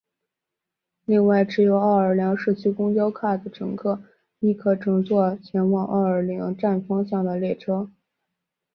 另外持有奥尔良市区公交卡的乘客亦可乘坐前往奥尔良站方向的列车。